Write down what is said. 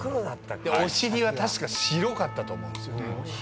お尻は確か白かったと思うんですよね。